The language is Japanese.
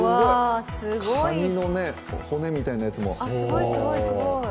カニの骨みたいなやつも。